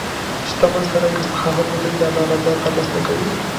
• شتمن سړی که سخاوت وکړي، د الله رضا ترلاسه کوي.